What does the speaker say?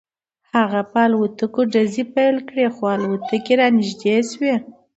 هغه په الوتکو ډزې پیل کړې خو الوتکې رانږدې شوې